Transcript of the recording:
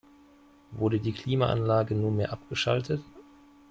Wurde die Klimaanlage nunmehr abgeschaltet?